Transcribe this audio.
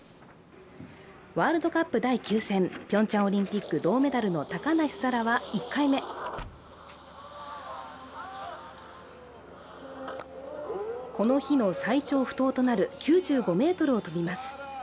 ワールドカップ第９戦、ピョンチャンオリンピック銅メダルの高梨沙羅は１回目この日の最長不倒となる９５ｍを飛びます。